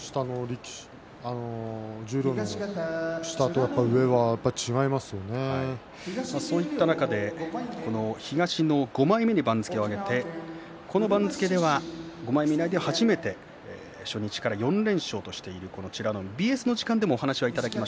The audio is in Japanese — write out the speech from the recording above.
十両の下と上はそういった中で東の５枚目に番付を上げてこの番付では５枚目以内では初めて初日から４連勝としている美ノ海です。